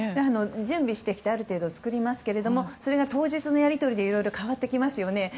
準備してきてある程度作りますけれどもそれが当日のやり取りでいろいろ変わってきますよね。